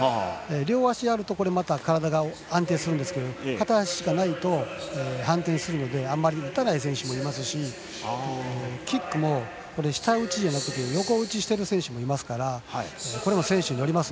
両足あると体が安定するんですけど片足しかないと反転するのであまり打たない選手もいますしキックも下打ちじゃなくて横打ちしている選手もいますからこれも選手によります。